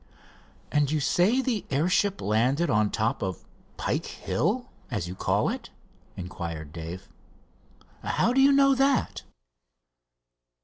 "And you say the airship landed on top of Pike Hill, as you call it?" inquired Dave. "How do you know that?"